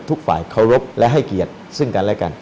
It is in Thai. ทุกฝ่ายเคารพและให้เกียรติซึ่งกันและกัน